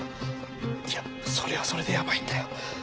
いやそれはそれでやばいんだよ。